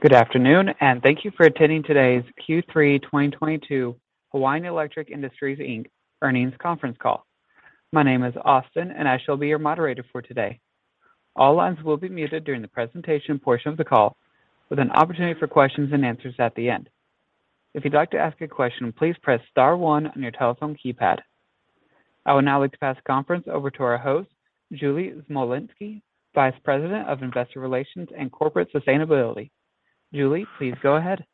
Good afternoon, thank you for attending today's Q3 2022 Hawaiian Electric Industries Inc. earnings conference call. My name is Austin, I shall be your moderator for today. All lines will be muted during the presentation portion of the call, with an opportunity for questions and answers at the end. If you'd like to ask a question, please press star one on your telephone keypad. I would now like to pass the conference over to our host, Julie Smolinski, Vice President of Investor Relations and Corporate Sustainability. Julie, please go ahead.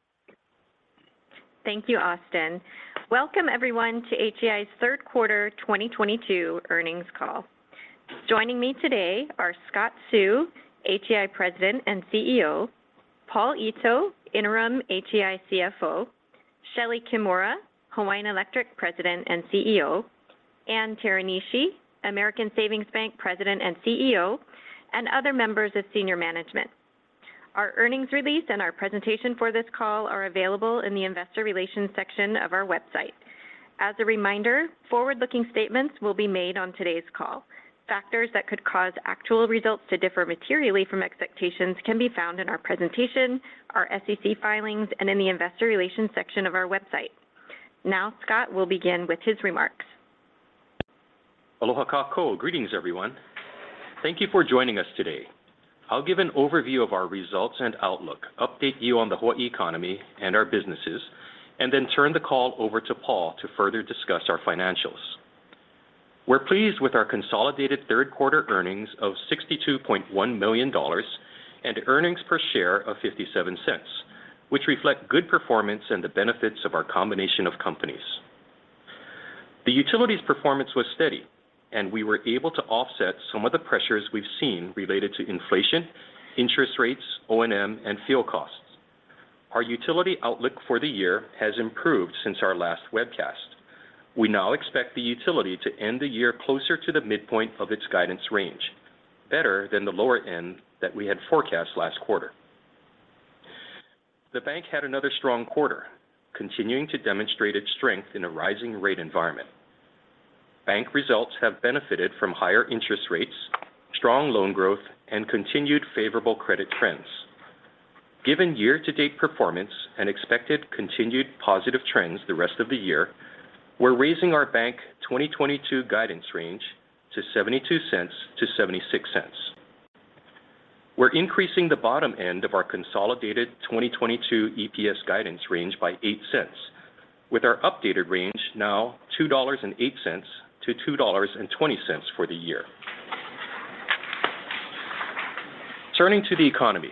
Thank you, Austin. Welcome, everyone, to HEI's third quarter 2022 earnings call. Joining me today are Scott Seu, HEI President and CEO, Paul Ito, Interim HEI CFO, Shelee Kimura, Hawaiian Electric President and CEO, Ann Teranishi, American Savings Bank President and CEO, and other members of senior management. Our earnings release and our presentation for this call are available in the investor relations section of our website. As a reminder, forward-looking statements will be made on today's call. Factors that could cause actual results to differ materially from expectations can be found in our presentation, our SEC filings, and in the investor relations section of our website. Scott will begin with his remarks. Aloha kakou. Greetings, everyone. Thank you for joining us today. I'll give an overview of our results and outlook, update you on the Hawaii economy and our businesses, turn the call over to Paul to further discuss our financials. We're pleased with our consolidated third-quarter earnings of $62.1 million and earnings per share of $0.57, which reflect good performance and the benefits of our combination of companies. The utility's performance was steady, we were able to offset some of the pressures we've seen related to inflation, interest rates, O&M, and fuel costs. Our utility outlook for the year has improved since our last webcast. We now expect the utility to end the year closer to the midpoint of its guidance range, better than the lower end that we had forecast last quarter. The bank had another strong quarter, continuing to demonstrate its strength in a rising rate environment. Bank results have benefited from higher interest rates, strong loan growth, and continued favorable credit trends. Given year-to-date performance and expected continued positive trends the rest of the year, we're raising our bank 2022 guidance range to $0.72-$0.76. We're increasing the bottom end of our consolidated 2022 EPS guidance range by $0.08, with our updated range now $2.08-$2.20 for the year. Turning to the economy.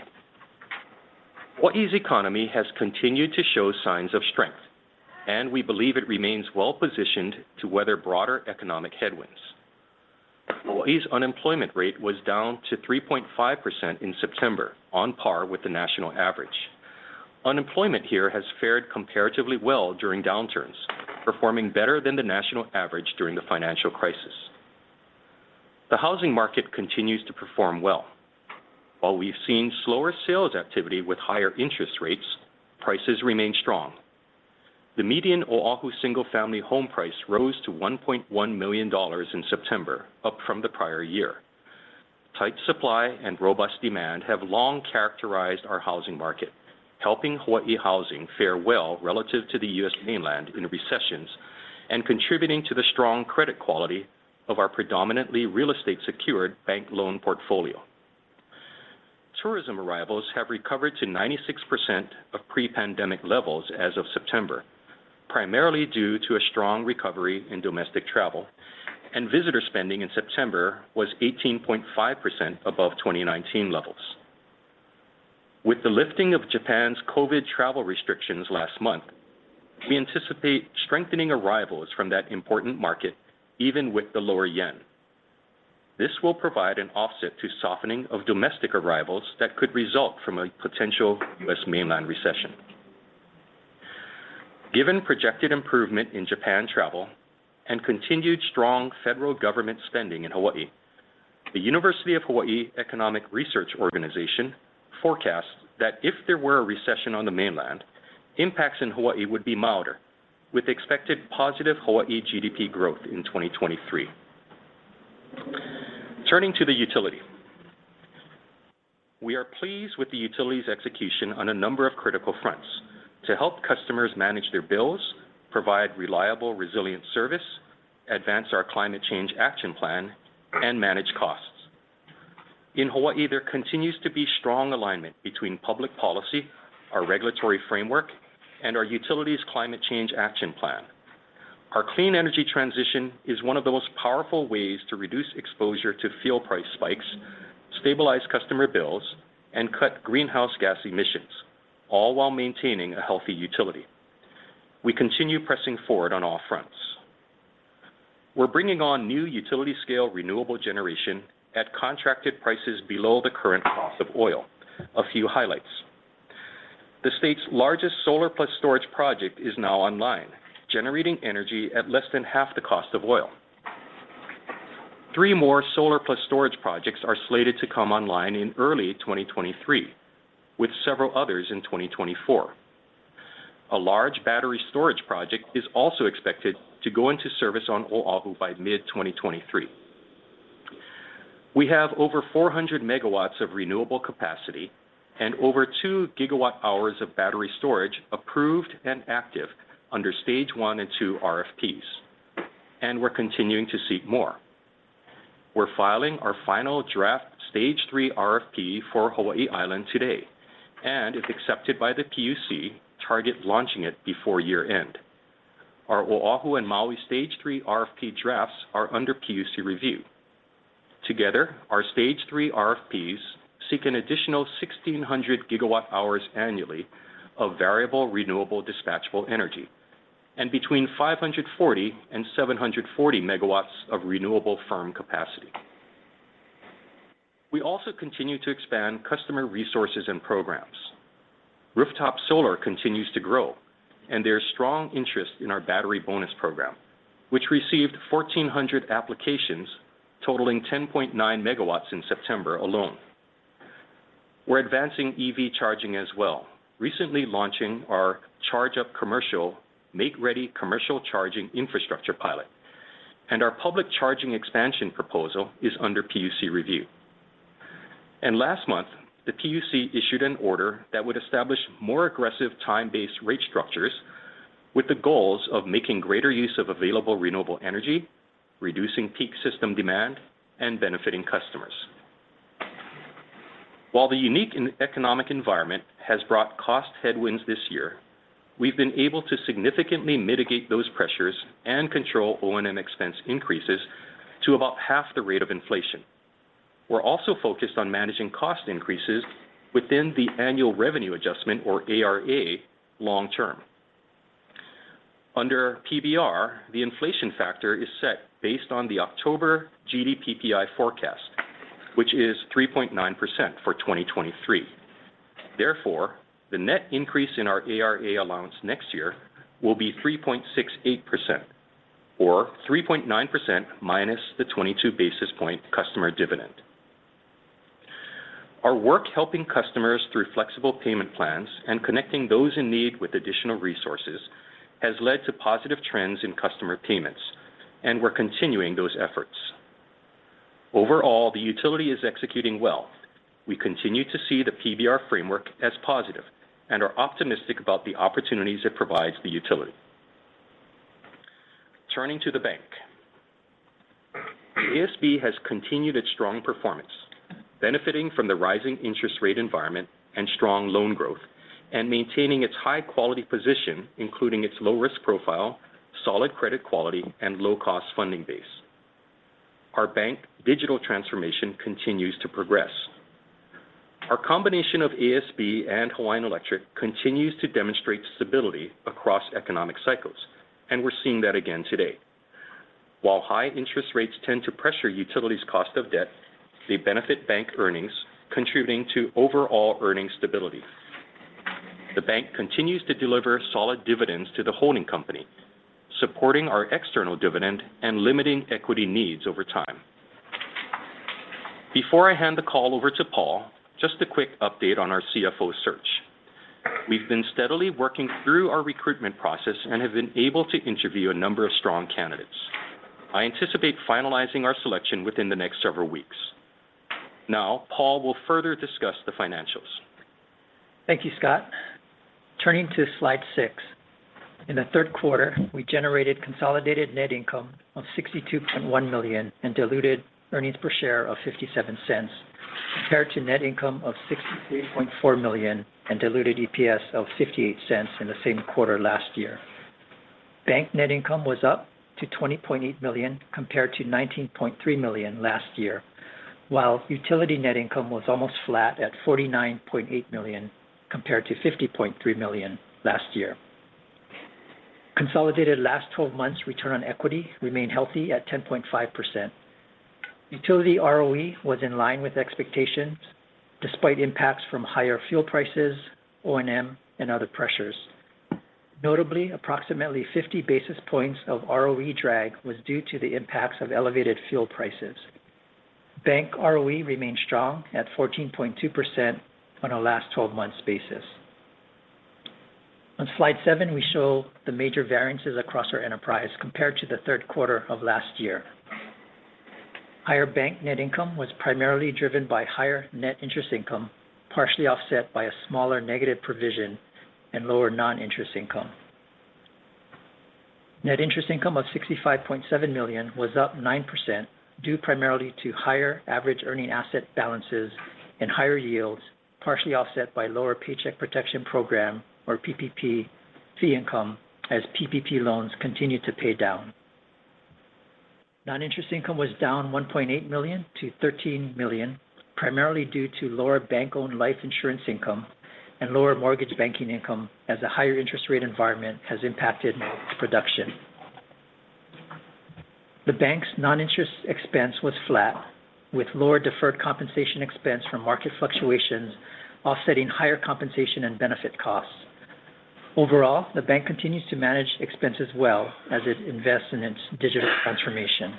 Hawaii's economy has continued to show signs of strength, we believe it remains well-positioned to weather broader economic headwinds. Hawaii's unemployment rate was down to 3.5% in September, on par with the national average. Unemployment here has fared comparatively well during downturns, performing better than the national average during the financial crisis. The housing market continues to perform well. While we've seen slower sales activity with higher interest rates, prices remain strong. The median Oahu single-family home price rose to $1.1 million in September, up from the prior year. Tight supply and robust demand have long characterized our housing market, helping Hawaii housing fare well relative to the U.S. mainland in recessions and contributing to the strong credit quality of our predominantly real estate-secured bank loan portfolio. Tourism arrivals have recovered to 96% of pre-pandemic levels as of September, primarily due to a strong recovery in domestic travel, and visitor spending in September was 18.5% above 2019 levels. With the lifting of Japan's COVID travel restrictions last month, we anticipate strengthening arrivals from that important market, even with the lower yen. This will provide an offset to softening of domestic arrivals that could result from a potential U.S. mainland recession. Given projected improvement in Japan travel and continued strong federal government spending in Hawaii, the University of Hawaii Economic Research Organization forecasts that if there were a recession on the mainland, impacts in Hawaii would be milder, with expected positive Hawaii GDP growth in 2023. Turning to the utility. We are pleased with the utility's execution on a number of critical fronts to help customers manage their bills, provide reliable, resilient service, advance our Climate Change Action Plan, and manage costs. In Hawaii, there continues to be strong alignment between public policy, our regulatory framework, and our utility's Climate Change Action Plan. Our clean energy transition is one of the most powerful ways to reduce exposure to fuel price spikes, stabilize customer bills, and cut greenhouse gas emissions, all while maintaining a healthy utility. We continue pressing forward on all fronts. We're bringing on new utility-scale renewable generation at contracted prices below the current cost of oil. A few highlights. The state's largest solar plus storage project is now online, generating energy at less than half the cost of oil. Three more solar plus storage projects are slated to come online in early 2023, with several others in 2024. A large battery storage project is also expected to go into service on Oahu by mid-2023. We have over 400 MW of renewable capacity and over 2 GWh of battery storage approved and active under stage 1 and 2 RFPs. We're continuing to seek more. We're filing our final draft stage 3 RFP for Hawaii Island today, and if accepted by the PUC, target launching it before year-end. Our Oahu and Maui stage 3 RFP drafts are under PUC review. Together, our stage 3 RFPs seek an additional 1,600 GWh annually of variable renewable dispatchable energy, and between 540 and 740 MW of renewable firm capacity. We also continue to expand customer resources and programs. Rooftop solar continues to grow, and there's strong interest in our Battery Bonus Program, which received 1,400 applications totaling 10.9 MW in September alone. We're advancing EV charging as well, recently launching our Charge Up Commercial make-ready commercial charging infrastructure pilot. Our public charging expansion proposal is under PUC review. Last month, the PUC issued an order that would establish more aggressive time-based rate structures with the goals of making greater use of available renewable energy, reducing peak system demand, and benefiting customers. While the unique economic environment has brought cost headwinds this year, we've been able to significantly mitigate those pressures and control O&M expense increases to about half the rate of inflation. We're also focused on managing cost increases within the Annual Revenue Adjustment, or ARA, long-term. Under PBR, the inflation factor is set based on the October GDPPI forecast, which is 3.9% for 2023. The net increase in our ARA allowance next year will be 3.68%, or 3.9% minus the 22 basis point customer dividend. Our work helping customers through flexible payment plans and connecting those in need with additional resources has led to positive trends in customer payments, and we're continuing those efforts. Overall, the utility is executing well. We continue to see the PBR framework as positive and are optimistic about the opportunities it provides the utility. Turning to the bank. ASB has continued its strong performance, benefiting from the rising interest rate environment and strong loan growth, and maintaining its high-quality position, including its low-risk profile, solid credit quality, and low-cost funding base. Our bank digital transformation continues to progress. Our combination of ASB and Hawaiian Electric continues to demonstrate stability across economic cycles, and we're seeing that again today. While high interest rates tend to pressure utilities' cost of debt, they benefit bank earnings, contributing to overall earnings stability. The bank continues to deliver solid dividends to the holding company, supporting our external dividend and limiting equity needs over time. Before I hand the call over to Paul, just a quick update on our CFO search. We've been steadily working through our recruitment process and have been able to interview a number of strong candidates. I anticipate finalizing our selection within the next several weeks. Now, Paul will further discuss the financials. Thank you, Scott. Turning to slide six. In the third quarter, we generated consolidated net income of $62.1 million and diluted earnings per share of $0.57, compared to net income of $63.4 million and diluted EPS of $0.58 in the same quarter last year. Bank net income was up to $20.8 million compared to $19.3 million last year, while utility net income was almost flat at $49.8 million compared to $50.3 million last year. Consolidated last 12 months return on equity remained healthy at 10.5%. Utility ROE was in line with expectations, despite impacts from higher fuel prices, O&M, and other pressures. Notably, approximately 50 basis points of ROE drag was due to the impacts of elevated fuel prices. Bank ROE remained strong at 14.2% on a last 12 months basis. On slide seven, we show the major variances across our enterprise compared to the third quarter of last year. Higher bank net income was primarily driven by higher net interest income, partially offset by a smaller negative provision and lower non-interest income. Net interest income of $65.7 million was up 9%, due primarily to higher average earning asset balances and higher yields, partially offset by lower Paycheck Protection Program, or PPP, fee income as PPP loans continued to pay down. Non-interest income was down $1.8 million to $13 million, primarily due to lower bank-owned life insurance income and lower mortgage banking income, as the higher interest rate environment has impacted production. The bank's non-interest expense was flat, with lower deferred compensation expense from market fluctuations offsetting higher compensation and benefit costs. Overall, the bank continues to manage expenses well as it invests in its digital transformation.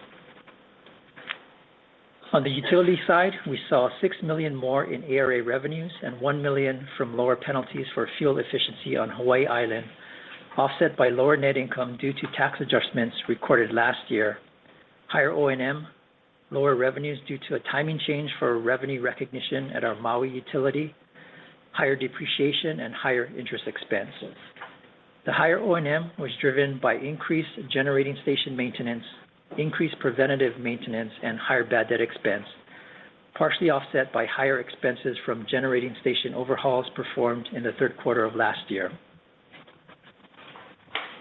On the utility side, we saw $6 million more in ARA revenues and $1 million from lower penalties for fuel efficiency on Hawaii Island, offset by lower net income due to tax adjustments recorded last year, higher O&M, lower revenues due to a timing change for revenue recognition at our Maui utility, higher depreciation, and higher interest expenses. The higher O&M was driven by increased generating station maintenance, increased preventative maintenance, and higher bad debt expense, partially offset by higher expenses from generating station overhauls performed in the third quarter of last year.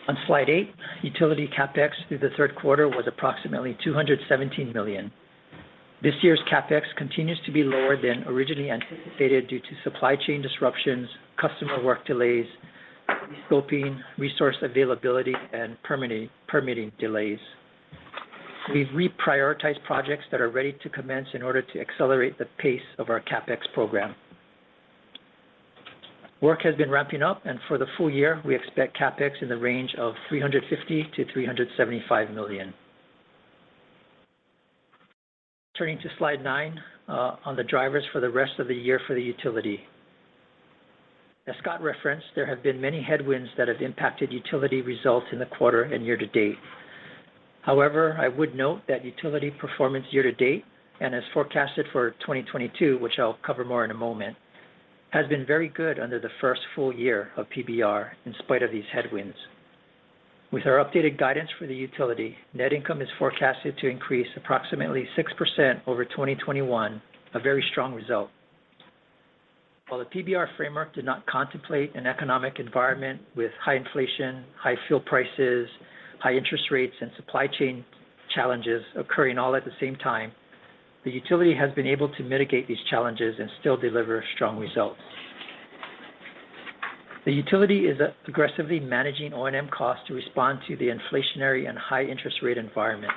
On slide eight, utility CapEx through the third quarter was approximately $217 million. This year's CapEx continues to be lower than originally anticipated due to supply chain disruptions, customer work delays, rescoping, resource availability, and permitting delays. We've reprioritized projects that are ready to commence in order to accelerate the pace of our CapEx program. Work has been ramping up. For the full year, we expect CapEx in the range of $350 million-$375 million. Turning to slide nine, on the drivers for the rest of the year for the utility. As Scott referenced, there have been many headwinds that have impacted utility results in the quarter and year-to-date. However, I would note that utility performance year-to-date and as forecasted for 2022, which I'll cover more in a moment, has been very good under the first full year of PBR in spite of these headwinds. With our updated guidance for the utility, net income is forecasted to increase approximately 6% over 2021, a very strong result. While the PBR framework did not contemplate an economic environment with high inflation, high fuel prices, high interest rates, and supply chain challenges occurring all at the same time, the utility has been able to mitigate these challenges and still deliver strong results. The utility is aggressively managing O&M costs to respond to the inflationary and high interest rate environment.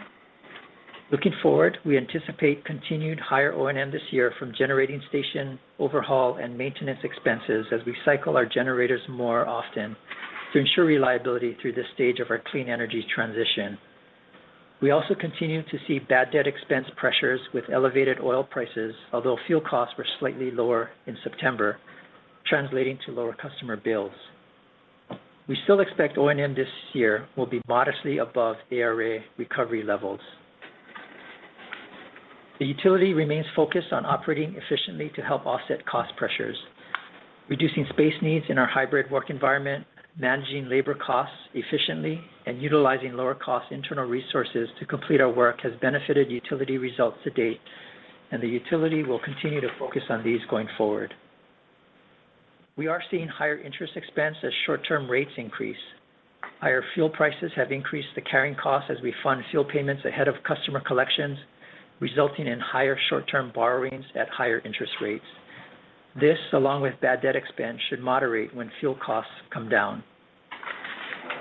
Looking forward, we anticipate continued higher O&M this year from generating station overhaul and maintenance expenses as we cycle our generators more often to ensure reliability through this stage of our clean energy transition. We also continue to see bad debt expense pressures with elevated oil prices, although fuel costs were slightly lower in September, translating to lower customer bills. We still expect O&M this year will be modestly above ARA recovery levels. The utility remains focused on operating efficiently to help offset cost pressures. Reducing space needs in our hybrid work environment, managing labor costs efficiently, and utilizing lower-cost internal resources to complete our work has benefited utility results to date, and the utility will continue to focus on these going forward. We are seeing higher interest expense as short-term rates increase. Higher fuel prices have increased the carrying costs as we fund fuel payments ahead of customer collections, resulting in higher short-term borrowings at higher interest rates. This, along with bad debt expense, should moderate when fuel costs come down.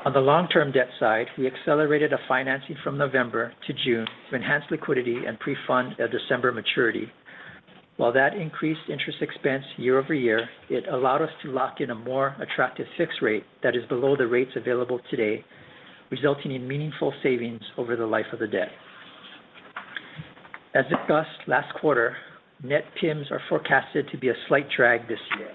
On the long-term debt side, we accelerated a financing from November to June to enhance liquidity and pre-fund a December maturity. While that increased interest expense year-over-year, it allowed us to lock in a more attractive fixed rate that is below the rates available today, resulting in meaningful savings over the life of the debt. As discussed last quarter, net PIMs are forecasted to be a slight drag this year.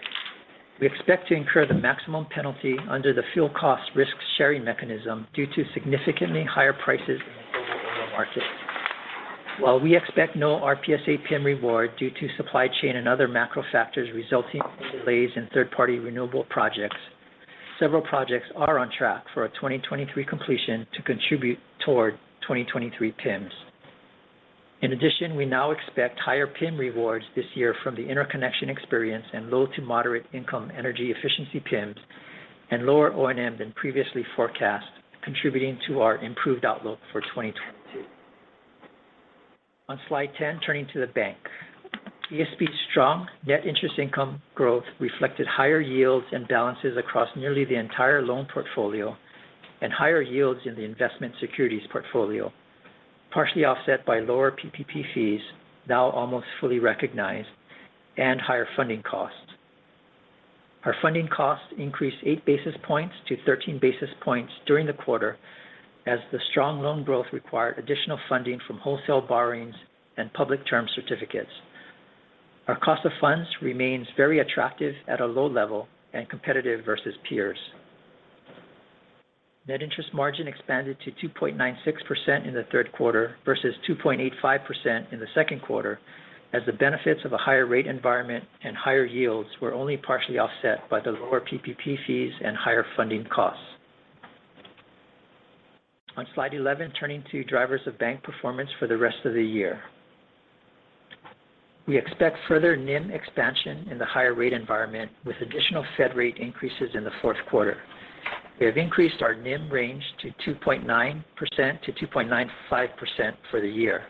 We expect to incur the maximum penalty under the fuel cost risk-sharing mechanism due to significantly higher prices in the global oil market. While we expect no RPS-A PIM reward due to supply chain and other macro factors resulting in delays in third-party renewable projects, several projects are on track for a 2023 completion to contribute toward 2023 PIMs. In addition, we now expect higher PIM rewards this year from the interconnection experience and low to moderate income energy efficiency PIMs and lower O&M than previously forecast, contributing to our improved outlook for 2022. On slide 10, turning to the bank. ASB's strong net interest income growth reflected higher yields and balances across nearly the entire loan portfolio and higher yields in the investment securities portfolio, partially offset by lower PPP fees, now almost fully recognized, and higher funding costs. Our funding costs increased eight basis points to 13 basis points during the quarter as the strong loan growth required additional funding from wholesale borrowings and public term certificates. Our cost of funds remains very attractive at a low level and competitive versus peers. Net interest margin expanded to 2.96% in the third quarter versus 2.85% in the second quarter, as the benefits of a higher rate environment and higher yields were only partially offset by the lower PPP fees and higher funding costs. On slide 11, turning to drivers of bank performance for the rest of the year. We expect further NIM expansion in the higher rate environment with additional Fed rate increases in the fourth quarter. We have increased our NIM range to 2.9%-2.95% for the year.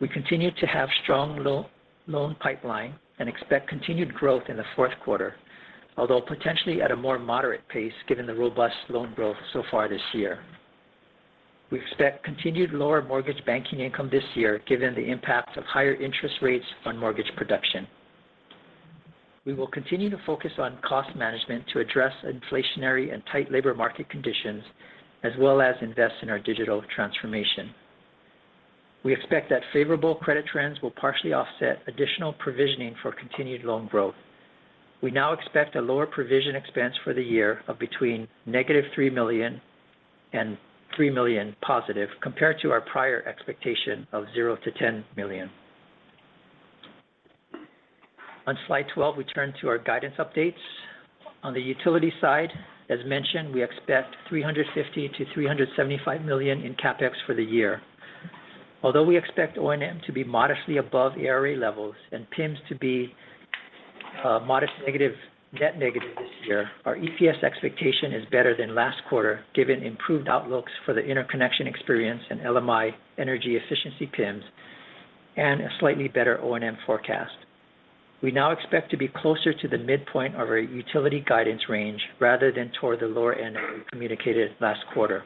We continue to have strong loan pipeline and expect continued growth in the fourth quarter, although potentially at a more moderate pace given the robust loan growth so far this year. We expect continued lower mortgage banking income this year given the impacts of higher interest rates on mortgage production. We will continue to focus on cost management to address inflationary and tight labor market conditions, as well as invest in our digital transformation. We expect that favorable credit trends will partially offset additional provisioning for continued loan growth. We now expect a lower provision expense for the year of between -$3 million and $3 million positive compared to our prior expectation of $0-$10 million. On slide 12, we turn to our guidance updates. On the utility side, as mentioned, we expect $350 million-$375 million in CapEx for the year. Although we expect O&M to be modestly above ARA levels and PIMs to be modest negative, net negative this year, our EPS expectation is better than last quarter given improved outlooks for the interconnection experience and LMI energy efficiency PIMs and a slightly better O&M forecast. We now expect to be closer to the midpoint of our utility guidance range rather than toward the lower end that we communicated last quarter.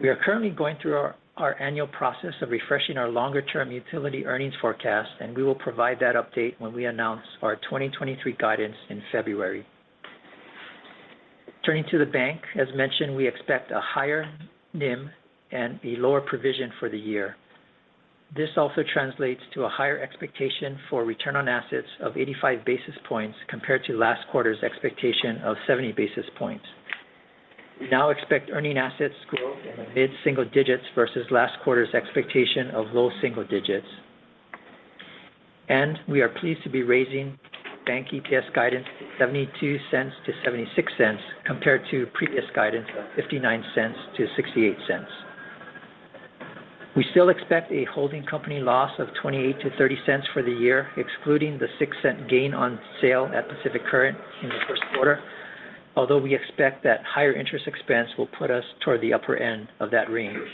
We are currently going through our annual process of refreshing our longer-term utility earnings forecast, and we will provide that update when we announce our 2023 guidance in February. Turning to the bank, as mentioned, we expect a higher NIM and a lower provision for the year. This also translates to a higher expectation for return on assets of 85 basis points compared to last quarter's expectation of 70 basis points. We now expect earning assets growth in the mid-single digits versus last quarter's expectation of low single digits. We are pleased to be raising bank EPS guidance to $0.72-$0.76 compared to previous guidance of $0.59-$0.68. We still expect a holding company loss of $0.28-$0.30 for the year, excluding the $0.06 gain on sale at Pacific Current in the first quarter. We expect that higher interest expense will put us toward the upper end of that range.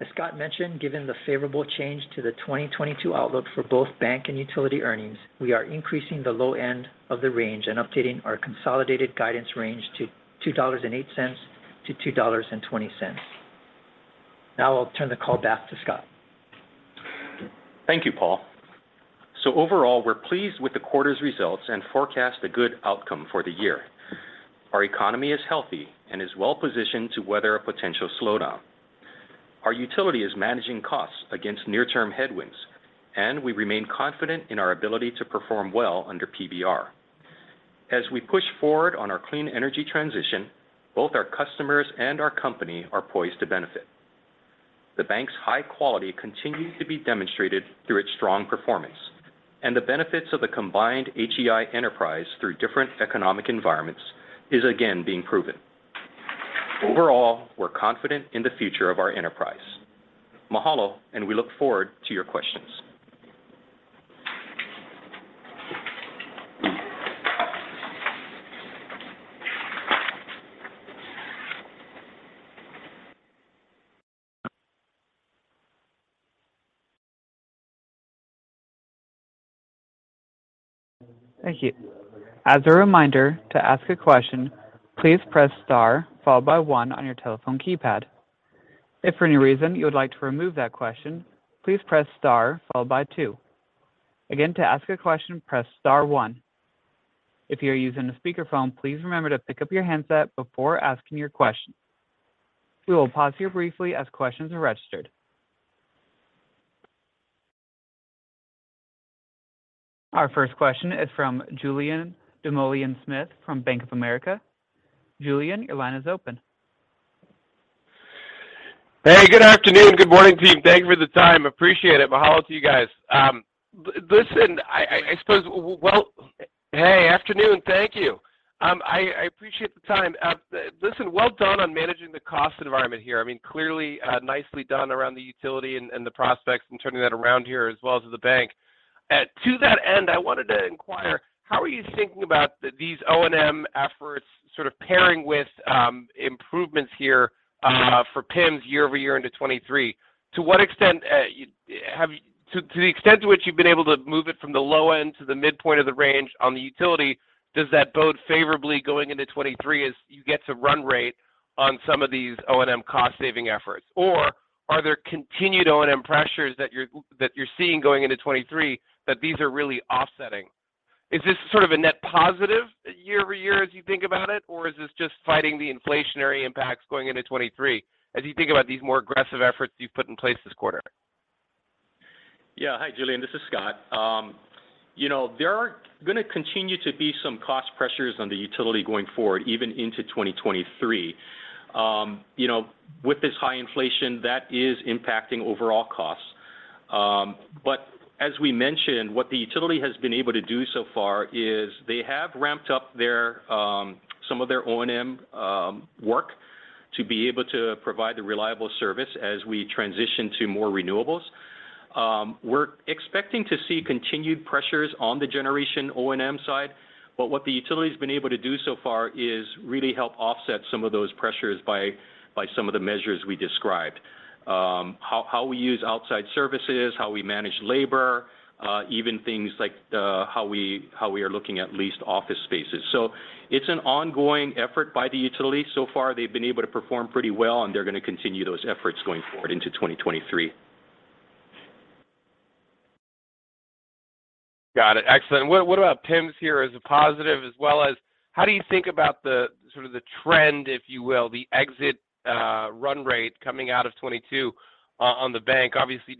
As Scott mentioned, given the favorable change to the 2022 outlook for both bank and utility earnings, we are increasing the low end of the range and updating our consolidated guidance range to $2.08-$2.20. I'll turn the call back to Scott. Thank you, Paul. Overall, we're pleased with the quarter's results and forecast a good outcome for the year. Our economy is healthy and is well-positioned to weather a potential slowdown. Our utility is managing costs against near-term headwinds, and we remain confident in our ability to perform well under PBR. As we push forward on our clean energy transition, both our customers and our company are poised to benefit. The bank's high quality continues to be demonstrated through its strong performance, and the benefits of the combined HEI enterprise through different economic environments is again being proven. Overall, we're confident in the future of our enterprise. Mahalo, we look forward to your questions. Thank you. As a reminder, to ask a question, please press star followed by one on your telephone keypad. If for any reason you would like to remove that question, please press star followed by two. Again, to ask a question, press star one. If you are using a speakerphone, please remember to pick up your handset before asking your question. We will pause here briefly as questions are registered. Our first question is from Julien Dumoulin-Smith from Bank of America. Julien, your line is open. Hey, good afternoon. Good morning, team. Thank you for the time. Appreciate it. Mahalo to you guys. Listen, I suppose, Hey, afternoon. Thank you. I appreciate the time. Listen, well done on managing the cost environment here. Clearly nicely done around the utility and the prospects and turning that around here as well as the bank. To that end, I wanted to inquire, how are you thinking about these O&M efforts sort of pairing with improvements here for PIMs year-over-year into 2023? To the extent to which you've been able to move it from the low end to the midpoint of the range on the utility, does that bode favorably going into 2023 as you get to run rate on some of these O&M cost-saving efforts? Or are there continued O&M pressures that you're seeing going into 2023 that these are really offsetting? Is this sort of a net positive year-over-year as you think about it, or is this just fighting the inflationary impacts going into 2023 as you think about these more aggressive efforts you've put in place this quarter? Hi, Julien. This is Scott. There are going to continue to be some cost pressures on the utility going forward, even into 2023. With this high inflation, that is impacting overall costs. As we mentioned, what the utility has been able to do so far is they have ramped up some of their O&M work to be able to provide the reliable service as we transition to more renewables. We're expecting to see continued pressures on the generation O&M side. What the utility's been able to do so far is really help offset some of those pressures by some of the measures we described. How we use outside services, how we manage labor, even things like how we are looking at leased office spaces. It's an ongoing effort by the utility. They've been able to perform pretty well, and they're going to continue those efforts going forward into 2023. Got it. Excellent. What about PIMs here as a positive, as well as how do you think about the trend, if you will, the exit run rate coming out of 2022 on the bank? Obviously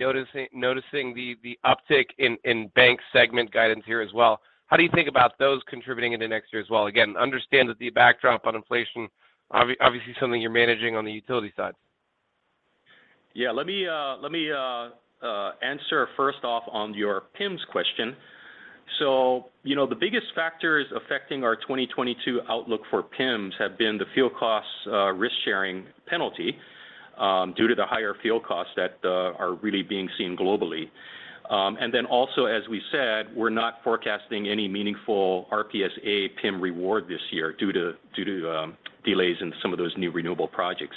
noticing the uptick in bank segment guidance here as well. How do you think about those contributing into next year as well? Again, understand that the backdrop on inflation, obviously something you're managing on the utility side. Yeah. Let me answer first off on your PIMs question. The biggest factors affecting our 2022 outlook for PIMs have been the fuel costs risk-sharing penalty due to the higher fuel costs that are really being seen globally. Also, as we said, we're not forecasting any meaningful RPS-A PIM reward this year due to delays in some of those new renewable projects.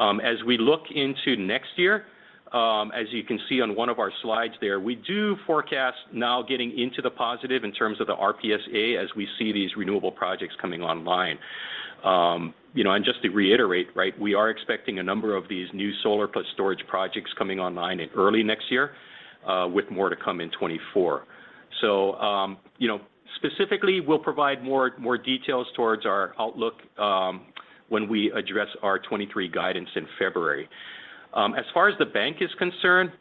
As we look into next year, as you can see on one of our slides there, we do forecast now getting into the positive in terms of the RPS-A as we see these renewable projects coming online. Just to reiterate, we are expecting a number of these new solar plus storage projects coming online in early next year, with more to come in 2024. Specifically, we'll provide more details towards our outlook when we address our 2023 guidance in February. As far as the bank is concerned,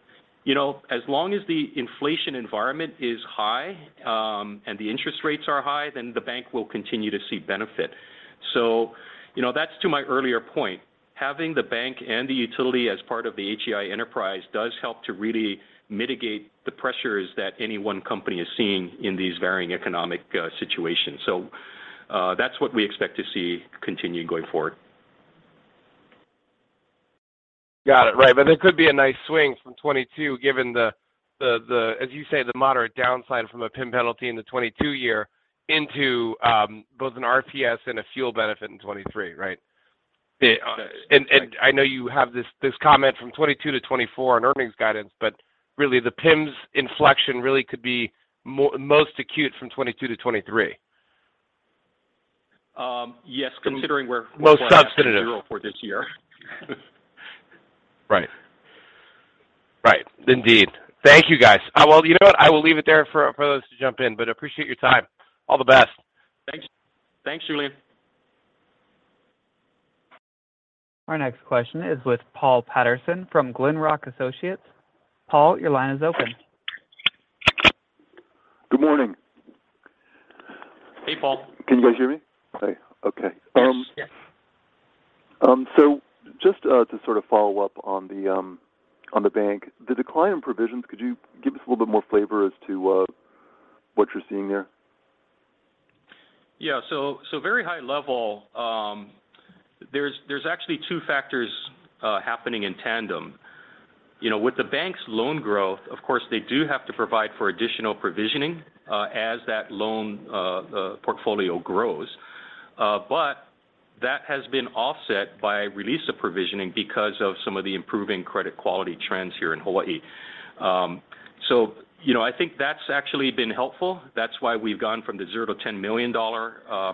as long as the inflation environment is high and the interest rates are high, then the bank will continue to see benefit. That's to my earlier point. Having the bank and the utility as part of the HEI enterprise does help to really mitigate the pressures that any one company is seeing in these varying economic situations. That's what we expect to see continue going forward. Got it. Right. There could be a nice swing from 2022 given the, as you say, the moderate downside from a PIM penalty in the 2022 year into both an RPS and a fuel benefit in 2023, right? That's right. I know you have this comment from 2022 to 2024 on earnings guidance, but really the PIMs inflection really could be most acute from 2022 to 2023. Yes. Most substantive planning for zero for this year. Right. Indeed. Thank you, guys. You know what? I will leave it there for others to jump in, but appreciate your time. All the best. Thanks. Thanks, Julien. Our next question is with Paul Patterson from Glenrock Associates. Paul, your line is open. Good morning. Hey, Paul. Can you guys hear me? Okay. Yes. Just to sort of follow up on the Bank. The decline in provisions, could you give us a little bit more flavor as to what you're seeing there? Very high level, there's actually two factors happening in tandem. With the Bank's loan growth, of course, they do have to provide for additional provisioning as that loan portfolio grows. That has been offset by release of provisioning because of some of the improving credit quality trends here in Hawaii. I think that's actually been helpful. That's why we've gone from the zero to $10 million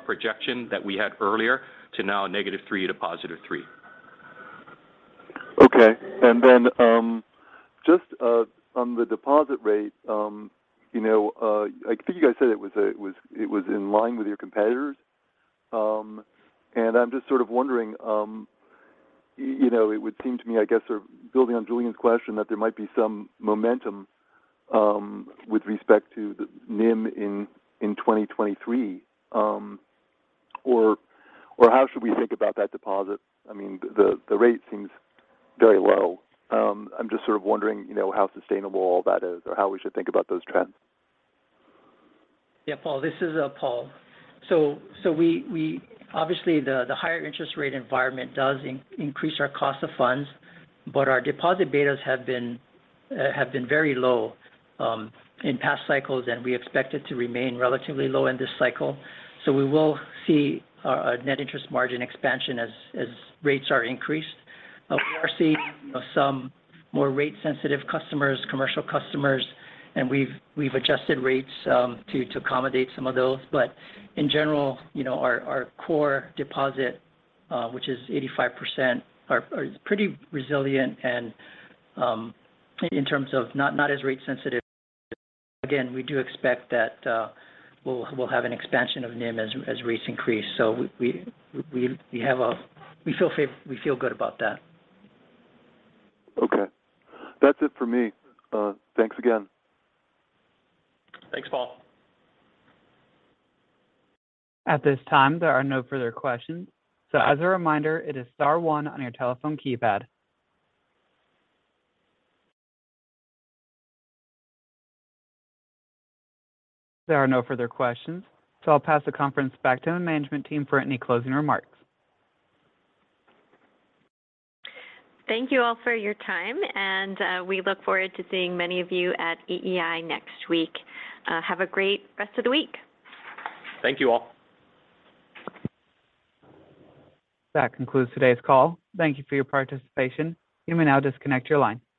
projection that we had earlier to now a -3 to +3. Just on the deposit rate, I think you guys said it was in line with your competitors. I'm just sort of wondering, it would seem to me, I guess, sort of building on Julien's question, that there might be some momentum with respect to the NIM in 2023. How should we think about that deposit? The rate seems very low. I'm just sort of wondering how sustainable all that is or how we should think about those trends. Paul, this is Paul. Obviously, the higher interest rate environment does increase our cost of funds, but our deposit betas have been very low in past cycles, and we expect it to remain relatively low in this cycle. We will see a net interest margin expansion as rates are increased. We are seeing some more rate-sensitive customers, commercial customers, and we've adjusted rates to accommodate some of those. In general, our core deposit, which is 85%, are pretty resilient and in terms of not as rate sensitive. Again, we do expect that we'll have an expansion of NIM as rates increase. We feel good about that. Okay. That's it for me. Thanks again. Thanks, Paul. At this time, there are no further questions. As a reminder, it is star one on your telephone keypad. There are no further questions, I'll pass the conference back to the management team for any closing remarks. Thank you all for your time. We look forward to seeing many of you at EEI next week. Have a great rest of the week. Thank you all. That concludes today's call. Thank you for your participation. You may now disconnect your line.